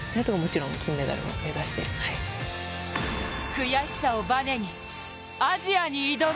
悔しさをばねにアジアに挑む。